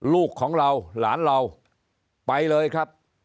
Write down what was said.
ลูกของเราหลานเราไปเลยครับ